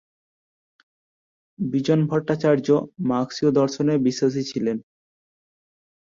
বিজন ভট্টাচার্য মার্কসীয় দর্শনে বিশ্বাসী ছিলেন।